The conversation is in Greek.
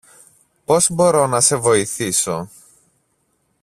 Πώς μπορώ να σε βοηθήσω;